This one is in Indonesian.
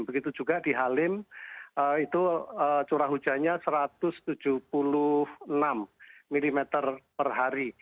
begitu juga di halim itu curah hujannya satu ratus tujuh puluh enam mm per hari